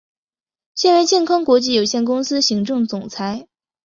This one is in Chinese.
现为健康国际有限公司行政总裁。